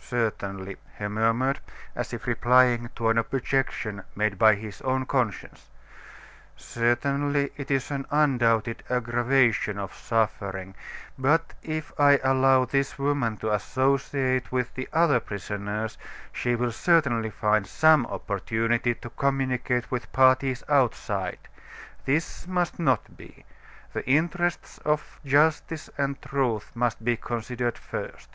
"Certainly," he murmured, as if replying to an objection made by his own conscience; "certainly, it is an undoubted aggravation of suffering; but if I allow this woman to associate with the other prisoners, she will certainly find some opportunity to communicate with parties outside. This must not be; the interests of justice and truth must be considered first."